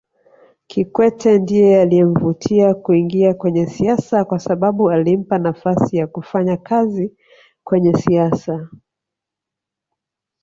Kikwete ndiye aliyemvutia kuingia kwenye siasa kwasababu alimpa nafasi ya kufanya kazi kwenye siasa